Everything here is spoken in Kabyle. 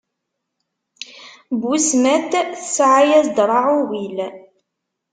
Busmat tesɛa-yas-d Raɛuwil.